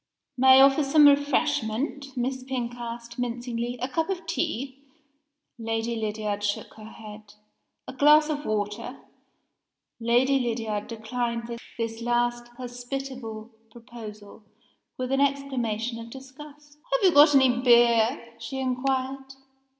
"May I offer some refreshment?" Miss Pink asked, mincingly. "A cup of tea?" Lady Lydiard shook her head. "A glass of water?" Lady Lydiard declined this last hospitable proposal with an exclamation of disgust. "Have you got any beer?" she inquired.